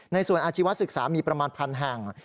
ในส่วนอาจิวัติศึกษามีประมาณ๑๐๐๐แห่ง